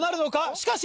しかし。